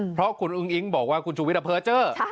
เพราะคุณอุ้งอิงบอกว่าคุณชูวิทย์อร่อย